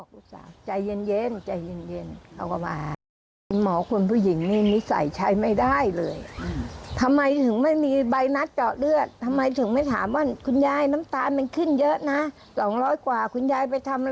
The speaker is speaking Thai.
เขาพูดจราเสียงดังไหมพูดกับคุณยาย